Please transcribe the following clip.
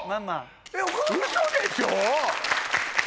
ウソでしょ？